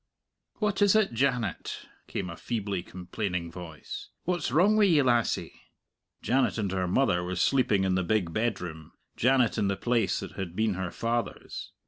"What is it, Janet?" came a feebly complaining voice; "what's wrong wi' ye, lassie?" Janet and her mother were sleeping in the big bedroom, Janet in the place that had been her father's.